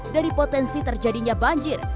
dari potensi terjadinya banjir